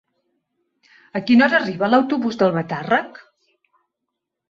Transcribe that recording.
A quina hora arriba l'autobús d'Albatàrrec?